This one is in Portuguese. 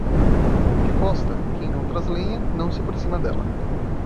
No fogo de Costa, quem não traz lenha, não se aproxima dela.